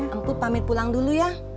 empuk pamit pulang dulu ya